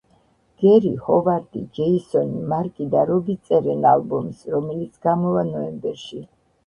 გერი, ჰოვარდი, ჯეისონი, მარკი და რობი წერენ ალბომს, რომელიც გამოვა ნოემბერში.